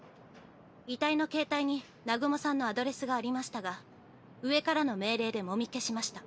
遺体の携帯に南雲さんのアドレスがありましたが上からの命令でもみ消しました。